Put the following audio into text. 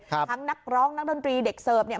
ทั้งนักร้องนักดนตรีเด็กเสิร์ฟเนี่ย